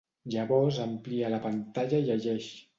Llavors amplia la pantalla i llegeix.